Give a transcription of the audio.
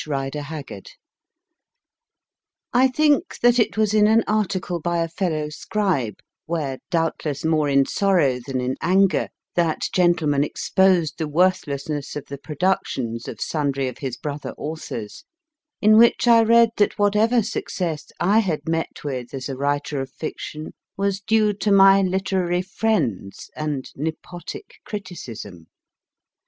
RIDER HAGGARD T THINK that it J was in an article by a fellow scribe, where, doubtless more in sorrow than in anger, that gentleman exposed the worth lessness of the pro ductions of sundry of his brother authors, in which I read that whatever success I had met with as a writer of fiction was due to my literary friends and nepotic criticism.